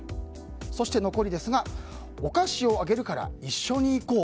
そして、残りですがお菓子あげるから一緒に行こう。